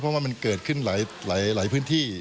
เพราะว่ามันเกิดขึ้นหลายพื้นที่